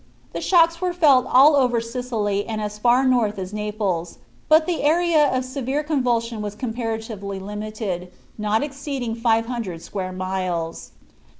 The shocks were felt all over Sicily and as far north as Naples, but the area of severe convulsion was comparatively limited, not exceeding five hundred square miles.